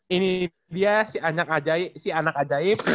ini dia si anak ajaib